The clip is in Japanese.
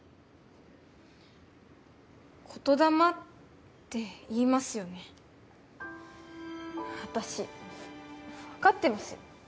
言霊っていいますよね私分かってますよ